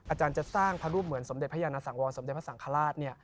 อาจารย์จะสร้างพระรูปเหมือนสมเด็จพระยานสังวรสมเด็จพระสังฆราช